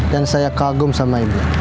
dan saya kagum sama ibu